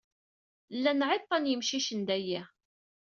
Llan ɛiṭa n yemcicen, dayyi!